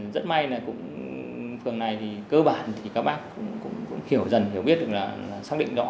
rất may là cũng phường này thì cơ bản thì các bác cũng hiểu dần hiểu biết được là xác định rõ